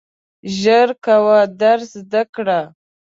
ژر کوه درس زده کړه !